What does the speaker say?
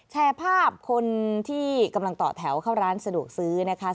แชร์ภาพคนที่กำลังต่อแถวเข้าร้านสะดวกซื้อนะคะ